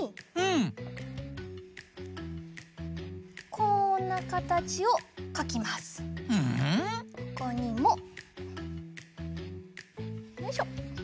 ここにもよいしょ。